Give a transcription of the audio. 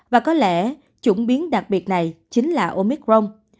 và có lẽ chuyển biến đặc biệt này chính là omicron